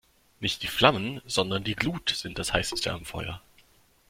Nicht die Flammen, sondern die Glut sind das Heißeste am Feuer.